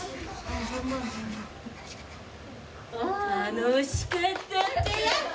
楽しかったって！